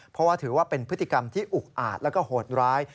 เพราะว่าถือว่าเป็นพฤติกรรมที่อุกอาจแล้วก็โหดร้าย